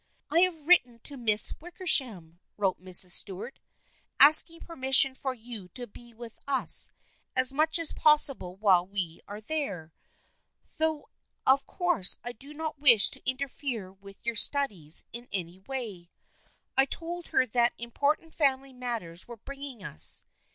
" I have written to Miss Wickersham," wrote Mrs. Stuart, " asking permission for you to be with us as much as possible while we are there, though of course I do not wish to interfere with your studies in any way. I told her that important family matters were bringing us.